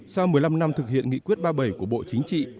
sau một mươi năm năm thực hiện nghị quyết ba mươi bảy của bộ chính trị